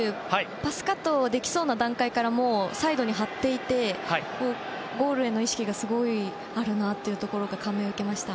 パスカットできそうな段階からもうサイドに張っていてゴールへの意識がすごくあるなと感銘を受けました。